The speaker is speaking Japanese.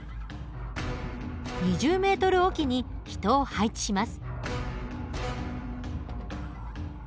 ２０ｍ置きに人を配置します。